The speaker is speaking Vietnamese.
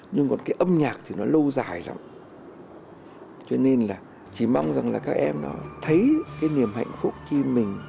nhưng mà thầy lại kìm nén lại cảm xúc của mình